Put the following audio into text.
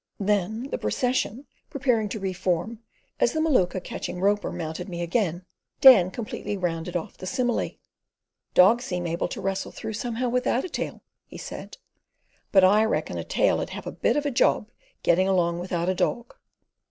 Then the procession preparing to re form, as the Maluka, catching Roper, mounted me again, Dan completely rounded off the simile. "Dogs seem able to wrestle through somehow without a tail," he said, "but I reckon a tail 'ud have a bit of a job getting along without a dog."